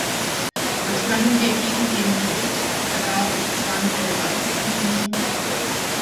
Was können wir gegen den Kreditvergabezwang der Banken unternehmen?